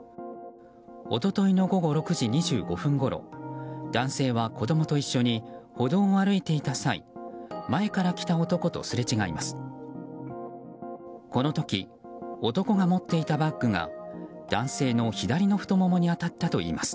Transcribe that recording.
一昨日の午後６時２５分ごろ男性は、子供と一緒に歩道を歩いていた際前から来た男とすれ違います。